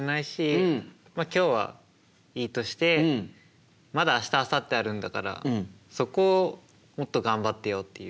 今日はいいとしてまだ明日あさってあるんだからそこをもっと頑張ってよっていう。